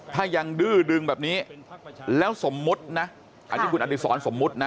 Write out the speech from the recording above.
ถ้ายังดื้อดึงแบบนี้แล้วสมมุตินะอันนี้คุณอดิษรสมมุตินะ